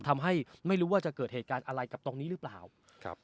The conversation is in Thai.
ไม่รู้ว่าจะเกิดเหตุการณ์อะไรกับตรงนี้รึเปล่า